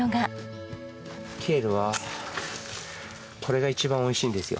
ケールはこれが一番美味しいんですよ。